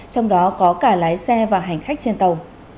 trong đó có cả lái xe và hành khách trên tàu